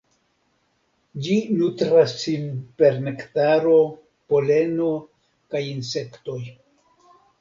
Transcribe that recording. Ĝi nutras sin per nektaro, poleno kaj insektoj.